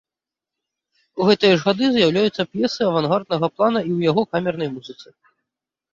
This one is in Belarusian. У гэтыя ж гады з'яўляюцца п'есы авангарднага плана і ў яго камернай музыцы.